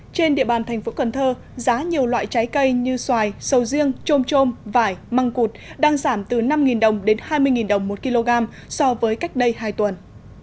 trên địa bàn thành phố cần thơ giá nhiều loại trái cây như xoài sầu riêng trôm trôm vải măng cụt đang giảm từ năm đồng đến hai mươi đồng một kg so với cách đây hai tuần